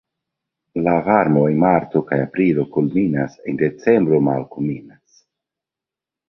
La varmo en marto kaj aprilo kulminas, en decembro malkulminas.